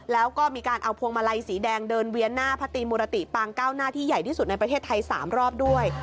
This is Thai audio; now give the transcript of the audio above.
แล้วก็มีการเอาพวงมาลัยสีแดงเดินเวียนหน้าพระตีมุรติปางเก้าหน้าที่ใหญ่ที่สุดในประเทศไทย๓รอบด้วย